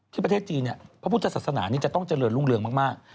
ประเทศจีนพระพุทธศาสนานี้จะต้องเจริญรุ่งเรืองมาก